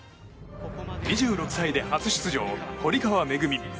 ２６歳で初出場、堀川恵。